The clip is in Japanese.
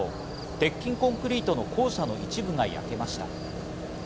鉄筋コンクリートの校舎の一部が焼けました。